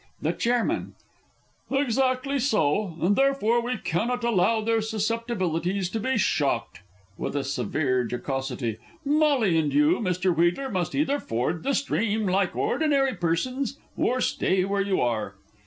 The Ch. Exactly so; and therefore we cannot allow their susceptibilities to be shocked. (With a severe jocosity.) Molly and you, Mr. Wheedler, must either ford the stream like ordinary persons, or stay where you are.